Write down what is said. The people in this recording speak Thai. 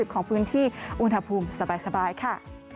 ของพื้นที่อุณหภูมิสบายค่ะ